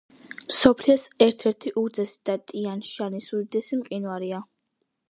მსოფლიოს ერთ-ერთი უგრძესი და ტიან-შანის უდიდესი მყინვარია.